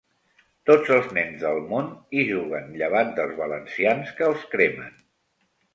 Tots els nens del món hi juguen, llevat dels valencians, que els cremen.